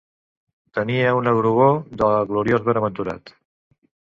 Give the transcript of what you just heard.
Tenia una grogor de gloriós benaventurat